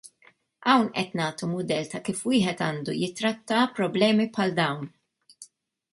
Hawn qed nagħtu mudell ta' kif wieħed għandu jitratta problemi bħal dawn.